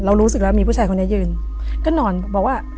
รู้สึกแล้วมีผู้ชายคนนี้ยืนก็นอนบอกว่า